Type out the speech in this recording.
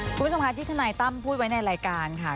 คุณผู้ชมค่ะที่ทนายตั้มพูดไว้ในรายการค่ะ